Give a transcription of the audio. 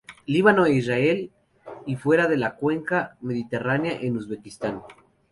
Líbano e Israel y fuera de la cuenca mediterránea en Uzbekistán.